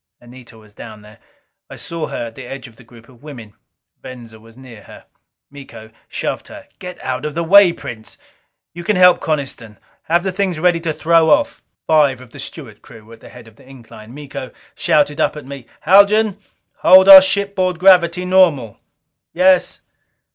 Anita was down there. I saw her at the edge of the group of women. Venza was near her. Miko shoved her. "Get out of the way, Prince. You can help Coniston. Have the things ready to throw off." Five of the steward crew were at the head of the incline. Miko shouted up at me: "Haljan, hold our shipboard gravity normal." "Yes."